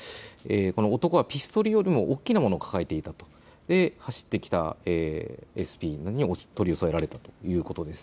この男は、ピストルよりも大きなものを抱えていたＳＰに取り押さえられたということです。